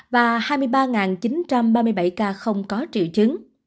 và hai mươi ba chín trăm ba mươi bảy ca không có triệu chứng